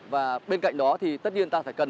và bên cạnh đó thì tất nhiên ta phải cần